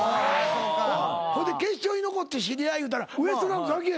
ほいで決勝に残って知り合いいうたらウエストランドだけやし。